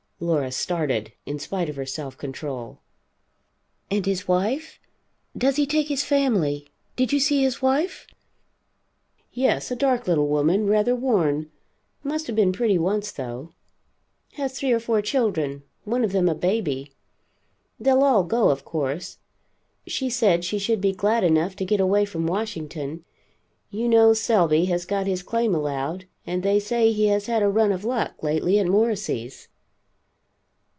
Laura started; in spite of her self control. "And his wife! Does he take his family? Did you see his wife?" "Yes. A dark little woman, rather worn must have been pretty once though. Has three or four children, one of them a baby. They'll all go of course. She said she should be glad enough to get away from Washington. You know Selby has got his claim allowed, and they say he has had a run of luck lately at Morrissey's."